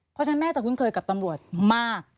เพราะฉะนั้นแม่จะคุ้นเคยกับตำรวจมาก